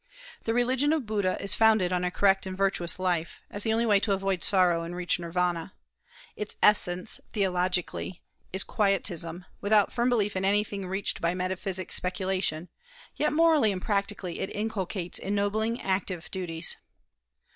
The religion of Buddha is founded on a correct and virtuous life, as the only way to avoid sorrow and reach Nirvana. Its essence, theologically, is "Quietism," without firm belief in anything reached by metaphysic speculation; yet morally and practically it inculcates ennobling, active duties.